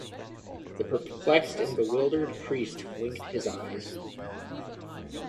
The perplexed and bewildered priest winked his eyes.